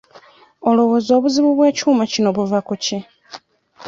Olowooza obuzibu bw'ekyuma kino buva ku ki?